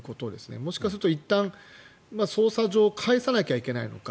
もしかしたらいったん捜査上返さないといけないのか。